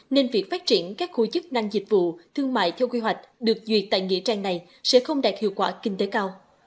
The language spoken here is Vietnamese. nên việc phát triển các khu chức năng dịch vụ thương mại theo quy hoạch được duyệt tại nghĩa trang này sẽ không đạt hiệu quả kinh tế cao